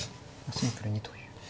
シンプルにという。